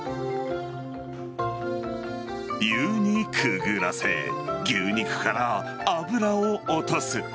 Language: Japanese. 湯にくぐらせ牛肉から脂を落とす。